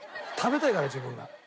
食べたいから自分が。